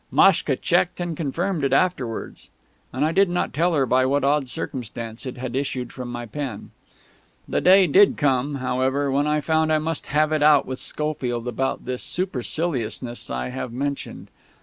Maschka checked and confirmed it afterwards; and I did not tell her by what odd circumstance it had issued from my pen. The day did come, however, when I found I must have it out with Schofield about this superciliousness I have mentioned.